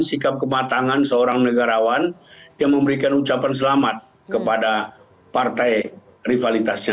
sikap kematangan seorang negarawan yang memberikan ucapan selamat kepada partai rivalitasnya